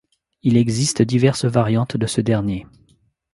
Il existe diverses variantes de ce dernier.